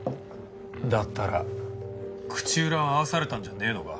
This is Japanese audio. だったら口裏を合わされたんじゃねえのか？